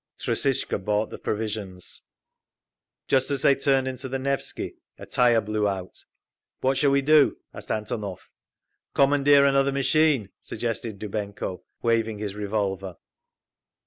Trusishka bought the provisions…. Just as they turned into the Nevsky a tire blew out. "What shall we do?" asked Antonov. "Commandeer another machine!" suggested Dybenko, waving his revolver.